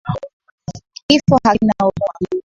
Kifo hakina huruma